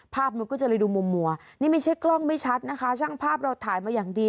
มันก็จะเลยดูมัวนี่ไม่ใช่กล้องไม่ชัดนะคะช่างภาพเราถ่ายมาอย่างดี